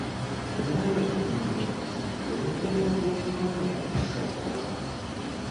— Lwy, panie wielki! lwy zabijać konie! — szeptał Kali.